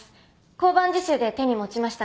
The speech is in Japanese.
交番実習で手に持ちましたから。